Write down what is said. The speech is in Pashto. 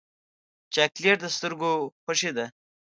چاکلېټ د سترګو خوښي ده.